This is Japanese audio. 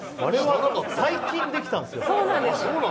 最近できたんですよね。